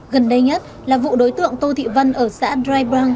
gần đây nhất là vụ đối tượng tô thị vân ở xã dry brown